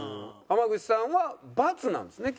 濱口さんは×なんですね？